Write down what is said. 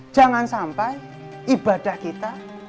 jangan sampai ibadah kita